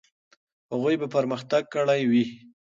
هغوی به پرمختګ کړی وي.